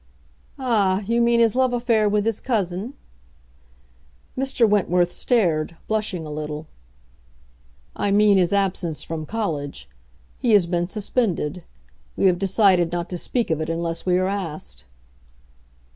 "Ah, you mean his love affair with his cousin?" Mr. Wentworth stared, blushing a little. "I mean his absence from college. He has been suspended. We have decided not to speak of it unless we are asked."